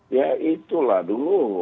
ya itulah dulu